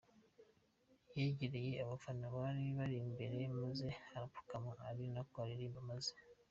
yegerereye abafana bari bari imbere maze arapfukama ari nako aririmba maze.